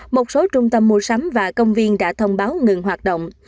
một số trung tâm mua sắm và công viên đã thông báo ngừng hoạt động